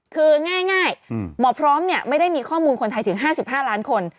คือง่ายหมอพร้อมไม่ได้มีข้อมูลคนไทยถึง๕๕ล้านคน